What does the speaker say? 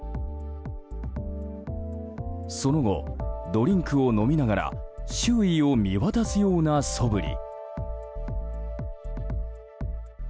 その後、ドリンクを飲みながら周囲を見渡すようなそぶり。